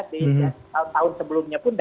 di tahun sebelumnya pun